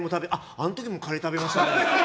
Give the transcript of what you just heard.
あの時もカレー食べましたね。